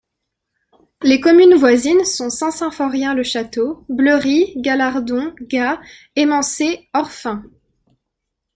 Les communes voisines sont Saint-Symphorien-le-Château, Bleury, Gallardon, Gas, Émancé, Orphin.